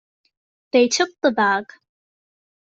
They took the bag.